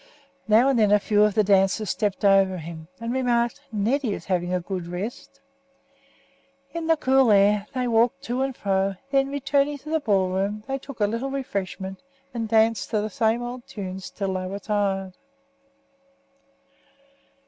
Now and then a few of the dancers stepped over him, and remarked, "Neddy is having a good rest." In the cool night air they walked to and fro, then, returning to the ball room, they took a little refreshment, and danced to the same old tunes, until they were tired.